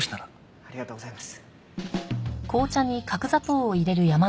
ありがとうございます。